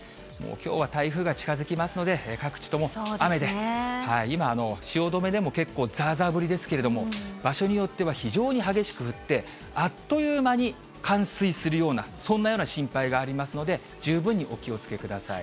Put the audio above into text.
きょうは台風が近づきますので、各地とも雨で、今、汐留でも結構ざーざー降りですけれども、場所によっては非常に激しく降って、あっという間に冠水するような、そんなような心配がありますので、十分にお気をつけください。